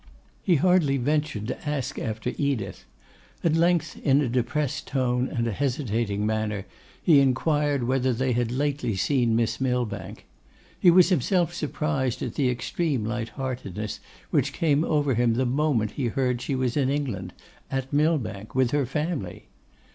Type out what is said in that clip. He hardly ventured to ask after Edith: at length, in a depressed tone and a hesitating manner, he inquired whether they had lately seen Miss Millbank. He was himself surprised at the extreme light heartedness which came over him the moment he heard she was in England, at Millbank, with her family.